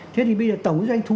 thế thì bây giờ tổng doanh thu